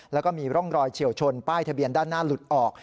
แล้วก็มีร่องรอยเฉียวชนป้ายทะเบียนด้านหน้าหลุดออก